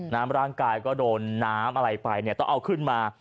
น้ำร่างกายก็โดนน้ำอะไรไปเนี่ยต้องเอาขึ้นมา